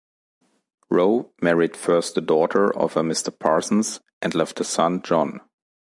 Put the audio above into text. Rowe married first a daughter of a Mr Parsons and left a son John.